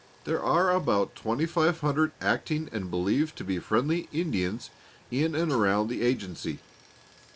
There are about twenty five hundred acting and believed to be friendly Indians in and around the agency.